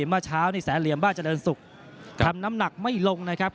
เมื่อเช้านี่แสนเหลี่ยมบ้านเจริญศุกร์ทำน้ำหนักไม่ลงนะครับ